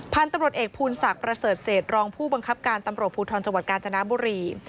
พันธุ์ตำรวจเอกภูนศักดิ์ประเสริฐเศษรองผู้บังคับการตำรวจภูทรจังหวัดกาญจนบุรี